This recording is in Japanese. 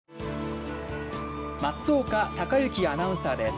松岡孝行アナウンサーです